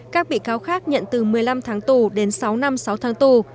các bị cáo khác nhận từ một mươi năm tháng tù đến sáu năm sáu tháng tù